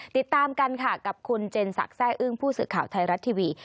ติดตามกันค่ะกับคุณเจนสักแร่อึ้งผู้สื่อข่าวไทยรัฐทีวี